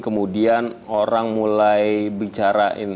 kemudian orang mulai bicara